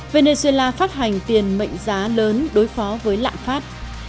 venezuela phát hành tiền mệnh giá lớn đối phó với lạng pháp